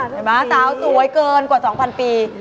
เดี๋ยวมาสาวสวยเกินกว่า๒๐๐๐ปี